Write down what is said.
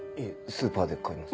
スーパーで買います。